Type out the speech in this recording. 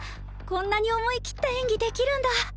こんなに思い切った演技できるんだ。